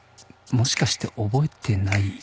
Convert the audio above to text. もしかして覚えてない？